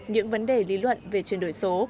những vấn đề lý luận về chuyển đổi số